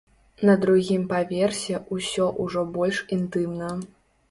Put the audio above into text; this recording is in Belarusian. На другім паверсе ўсё ўжо больш інтымна.